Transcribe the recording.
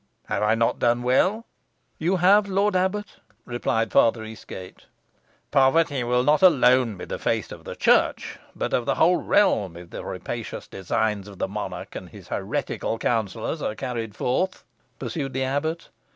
Have I not done well?" "You have, lord abbot," replied Father Eastgate. "Poverty will not alone be the fate of the Church, but of the whole realm, if the rapacious designs of the monarch and his heretical counsellors are carried forth," pursued the abbot.